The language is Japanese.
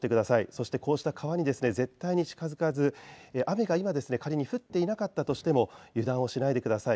そして、こうした川には絶対に近づかず雨が今、仮に降っていなかったとしても油断をしないでください。